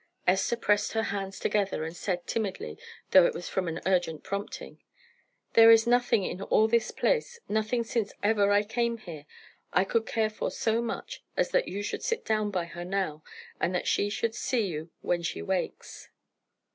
Esther pressed her hands together, and said, timidly, though it was from an urgent prompting "There is nothing in all this place nothing since ever I came here I could care for so much as that you should sit down by her now, and that she should see you when she wakes."